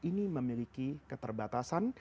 ini memiliki keterbatasan